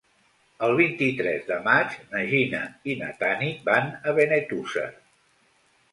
El vint-i-tres de maig na Gina i na Tanit van a Benetússer.